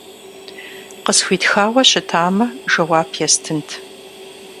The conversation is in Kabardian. Къысхуитхауэ щытамэ, жэуап естынт.